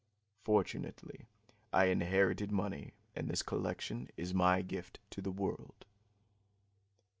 Fortunately, I inherited money, and this collection is my gift to the world."